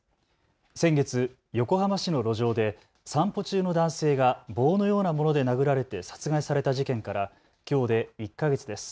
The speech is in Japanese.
先月、横浜市の路上で散歩中の男性が棒のようなもので殴られて殺害された事件からきょうで１か月です。